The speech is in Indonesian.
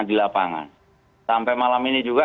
di lapangan sampai malam ini juga